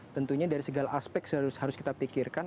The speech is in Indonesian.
tentunya dari segala aspek harus kita pikirkan